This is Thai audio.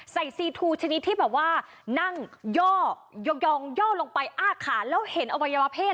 ซีทูชนิดที่แบบว่านั่งย่อยองย่อลงไปอ้าขาแล้วเห็นอวัยวะเพศ